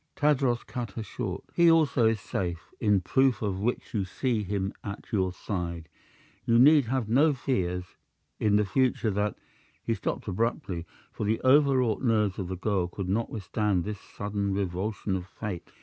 Tadros cut her short. "He also is safe, in proof of which you see him at your side. You need have no fears in the future that " He stopped abruptly, for the overwrought nerves of the girl could not withstand this sudden revulsion of fate.